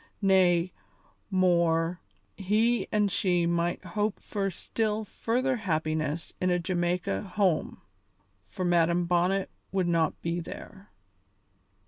Nay, more, he and she might hope for still further happiness in a Jamaica home, for Madam Bonnet would not be there.